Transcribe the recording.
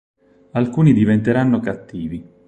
Alcuni diventeranno cattivi.